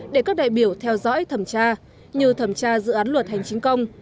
để các đại biểu theo dõi thẩm tra như thẩm tra dự án luật hành chính công